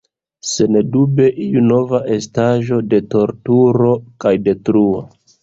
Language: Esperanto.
Sendube iu nova estaĵo de torturo kaj detruo.